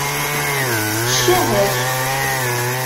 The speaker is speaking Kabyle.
Ccah-ak!